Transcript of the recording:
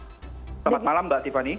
selamat malam mbak tiffany